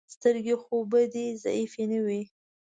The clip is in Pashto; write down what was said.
سترګې خو به دې ضعیفې نه وي.